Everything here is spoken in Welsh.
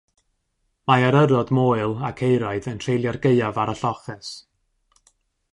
Mae eryrod moel ac euraidd yn treulio'r gaeaf ar y lloches.